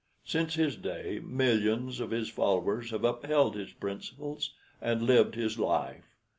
Since his day millions of his followers have upheld his principles and lived his life.